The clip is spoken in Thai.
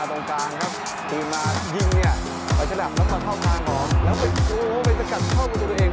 เล่นแบบนี้ทัศน์เตียนครับใบแดง